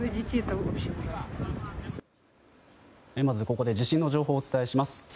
まずここで地震の情報をお伝えします。